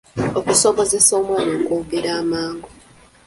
Okusobozesa omwana okwogera amangu.